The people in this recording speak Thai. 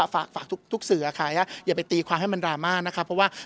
ฝากทุกสื่อค่ะอย่าไปตีความให้มันราม่านะคะ